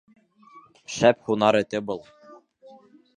Шәп һунар эте был!